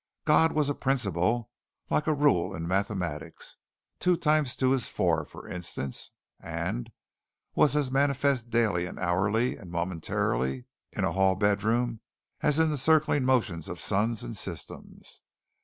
God was a principle like a rule in mathematics two times two is four, for instance and was as manifest daily and hourly and momentarily in a hall bedroom as in the circling motions of suns and systems.